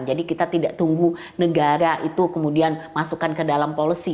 jadi kita tidak tunggu negara itu kemudian masukkan ke dalam polisi